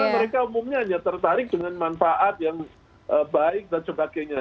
mereka umumnya hanya tertarik dengan manfaat yang baik dan sebagainya